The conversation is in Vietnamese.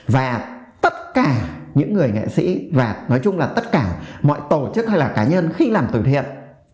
và tất cả những người nghệ sĩ và nói chung là tất cả mọi tổ chức hay là cá nhân khi làm từ thiện